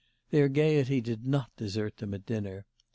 Their gaiety did not desert them at dinner.